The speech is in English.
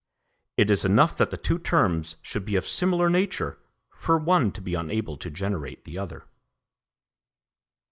It is enough that the two terms should be of similar nature for one to be unable to generate the other.